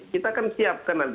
kita akan siapkan nanti